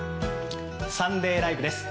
「サンデーＬＩＶＥ！！」です。